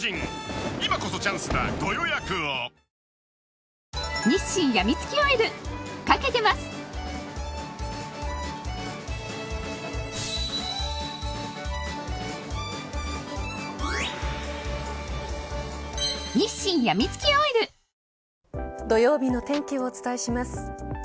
わかるぞ土曜日のお天気をお伝えします。